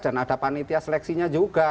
dan ada panitia seleksinya juga